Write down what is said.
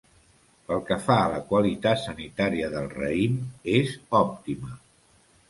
Pel que fa a la qualitat sanitària del raïm és òptima.